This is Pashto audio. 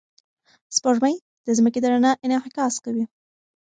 سپوږمۍ د ځمکې د رڼا انعکاس کوي.